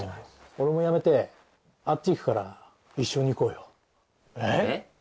俺も辞めてあっち行くから一緒に行こうよえっ！？